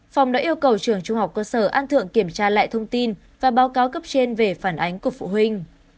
phòng đã yêu cầu trường trung học cơ sở an thượng kiểm tra lại thông tin và báo cáo cấp trên về phản ánh của phụ huynh